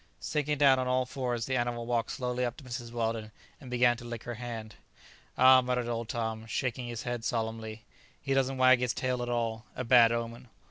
Sinking down on all fours the animal walked slowly up to Mrs. Weldon, and began to lick her hand. "Ah!" muttered old Tom, shaking his head solemnly, "he doesn't wag his tail at all. A bad omen."